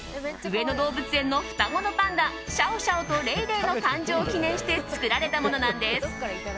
上野動物園の双子のパンダシャオシャオとレイレイの誕生を記念して作られたものなんです。